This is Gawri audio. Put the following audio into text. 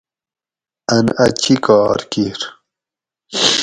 اٞن اٞ چِکار کِیر